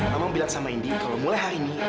mama bilang sama indi kalo mulai hari ini